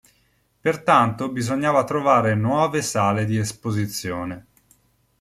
Pertanto bisognava trovare nuove sale di esposizione.